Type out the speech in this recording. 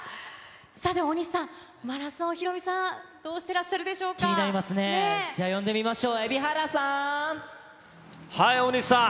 さて、大西さん、マラソン、ヒロミさんどうしてらっしゃるで気になりますね、じゃあ、大西さん。